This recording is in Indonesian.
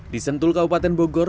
di sentul kabupaten bogor